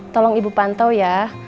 tolong ibu pantau ya